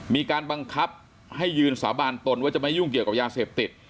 มีการบังคับให้ยืนสาบานตนว่าจะไม่ยุ่งเกี่ยวกับยาเสพติด